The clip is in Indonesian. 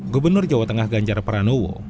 gubernur jawa tengah ganjar pranowo